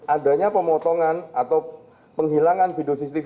adanya pemotongan atau penghilangan video cctv